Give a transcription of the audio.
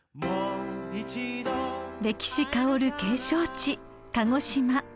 ［歴史薫る景勝地鹿児島］